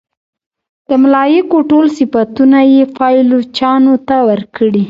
د ملایکو ټول صفتونه یې پایلوچانو ته ورکړي.